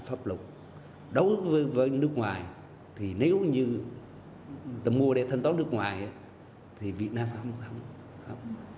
pháp luật đối với nước ngoài thì nếu như ta mua để thanh toán nước ngoài thì việt nam không